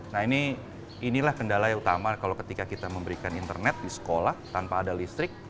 nah inilah kendala yang utama kalau ketika kita memberikan internet di sekolah tanpa ada listrik